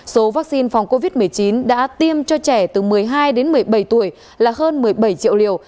số vaccine phòng covid một mươi chín đã tiêm cho trẻ từ một mươi hai đến một mươi bảy tuổi là hơn một mươi bảy triệu liều